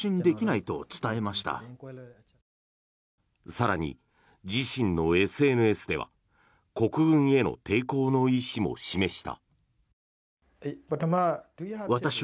更に、自身のＳＮＳでは国軍への抵抗の意思も示した。